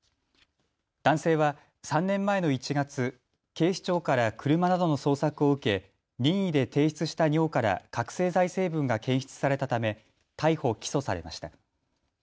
男性は３年前の１月、警視庁から車などの捜索を受け任意で提出した尿から覚醒剤成分が検出されたため逮捕・起訴されました。